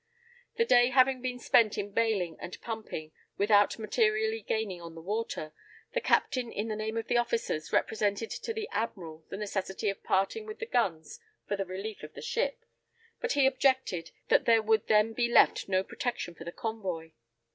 The day having been spent in bailing and pumping, without materially gaining on the water, the captain in the name of the officers, represented to the admiral the necessity of parting with the guns for the relief of the ship, but he objected, that there would then be left no protection for the convoy.